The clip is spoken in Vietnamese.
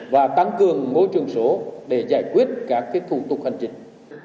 và tăng cường môi trường số để giải quyết các thủ tục hành chính